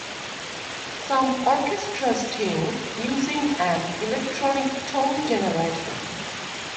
Some orchestras tune using an electronic tone generator.